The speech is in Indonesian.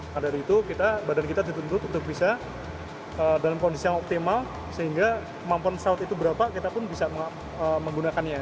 nah dari itu badan kita dituntut untuk bisa dalam kondisi yang optimal sehingga kemampuan pesawat itu berapa kita pun bisa menggunakannya